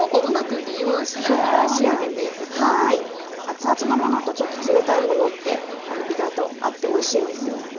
熱々のものとちょっと冷たいものって意外と合っておいしいんですよ。